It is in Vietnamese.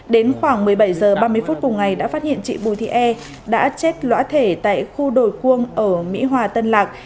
đến khoảng một mươi bảy h ba mươi phút cùng ngày đã phát hiện chị bùi thị e đã chết lõa thể tại khu đồi cuông ở mỹ hòa tân lạc